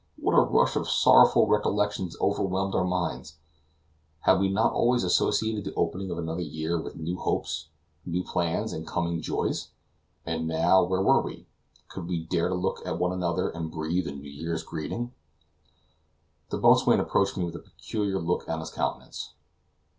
What a rush of sorrowful recollections overwhelmed our minds! Had we not always associated the opening of another year with new hopes, new plans, and coming joys? And now, where were we? Could we dare to look at one another, and breathe a New Year's greeting? The boatswain approached me with a peculiar look on his countenance.